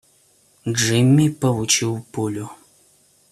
Джимми получил пулю.